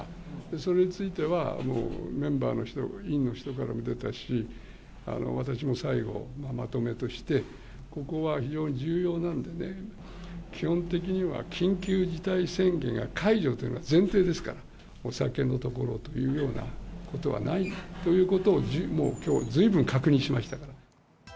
それについては、メンバーの人、委員の人からも出たし、私も最後まとめとしてここは非常に重要なんでね、基本的には緊急事態宣言が解除ということが前提ですから、お酒のところというようなことはないということをもうきょう、ずいぶん確認しましたから。